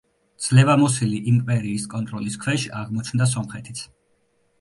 ძლევამოსილი იმპერიის კონტროლის ქვეშ აღმოჩნდა სომხეთიც.